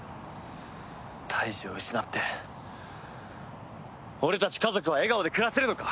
大二を失って俺たち家族は笑顔で暮らせるのか？